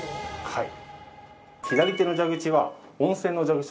はい。